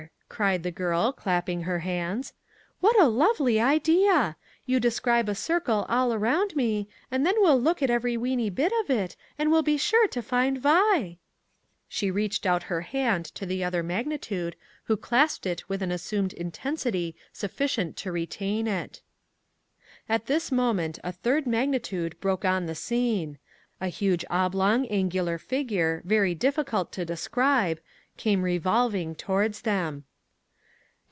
cried the girl, clapping her hands. "What a lovely idea! You describe a circle all around me, and then we'll look at every weeny bit of it and we'll be sure to find Vi " She reached out her hand to the other magnitude who clasped it with an assumed intensity sufficient to retain it. At this moment a third magnitude broke on the scene: a huge oblong, angular figure, very difficult to describe, came revolving towards them.